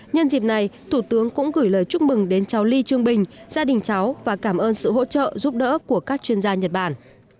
nhân dịp này thủ tướng cũng gửi lời chúc mừng đến cháu ly trương bình gia đình cháu và cảm ơn sự hỗ trợ giúp đỡ của các chuyên gia nhật bản